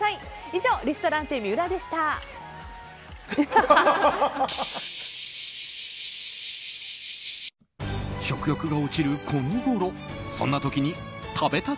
以上リストランテＭＩＵＲＡでした。